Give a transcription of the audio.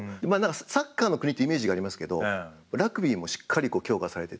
サッカーの国ってイメージがありますけどラグビーもしっかり強化されてて。